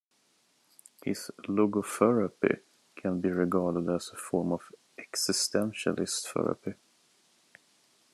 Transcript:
His logotherapy can be regarded as a form of existentialist therapy.